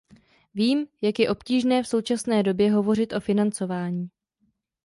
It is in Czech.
Vím, jak je obtížné v současné době hovořit o financování.